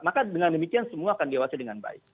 maka dengan demikian semua akan diawasi dengan baik